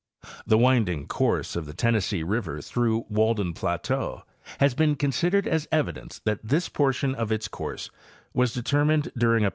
The winding course of the Tennessee river through Walden plateau has been considered as evidence that this portion of its course was determined during a.